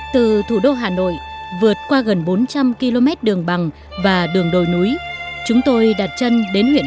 từ thủ đô hà nội vượt qua gần bốn trăm linh km đường bằng và đường đồi núi chúng tôi đặt chân đến huyện